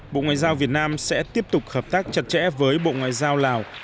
bộ ngoại giao việt nam sẽ tiếp tục hợp tác chặt chẽ với bộ ngoại giao lào